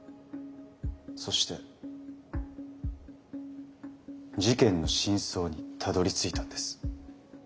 そして事件の真相にたどりついたんです。